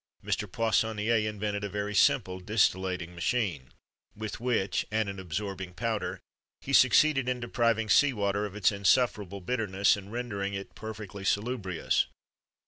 Mr. Poissonnier invented a very simple distillating machine, with which, and an absorbing powder, he succeeded in depriving sea water of its insufferable bitterness, and rendering it perfectly salubrious.